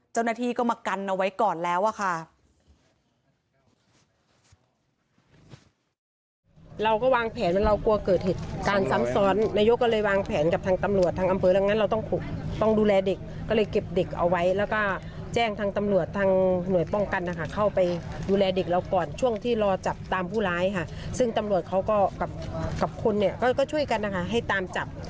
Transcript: เจ้าหน้าที่ก็มากันเอาไว้ก่อนแล้วอะค่ะ